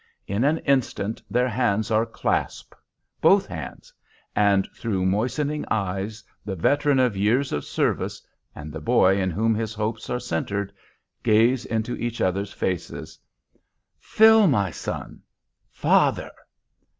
In an instant their hands are clasped, both hands, and through moistening eyes the veteran of years of service and the boy in whom his hopes are centred gaze into each other's faces. "Phil, my son!" "Father!"